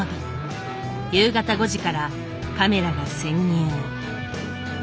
夕方５時からカメラが潜入。